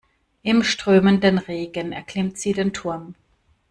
Im strömenden Regen erklimmt sie den Turm.